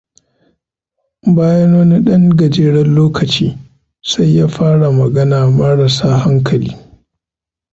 Bayan wani ɗan gajeren lokaci, sai ya fara magana marasa hankali.